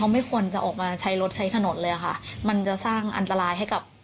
ไม่ควรจะออกมาใช้รถใช้ถนนเลยค่ะมันจะสร้างอันตรายให้กับ